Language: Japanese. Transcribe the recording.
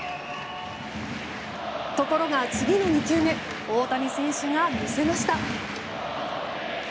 ところが次の２球目大谷選手が見せました。